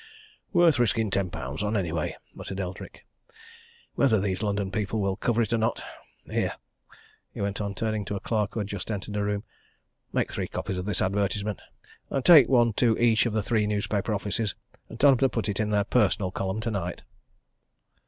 "Worth risking ten pounds on anyway," muttered Eldrick. "Whether these London people will cover it or not. Here!" he went on, turning to a clerk who had just entered the room. "Make three copies of this advertisement, and take one to each of the three newspaper offices, and tell 'em to put it in their personal column tonight."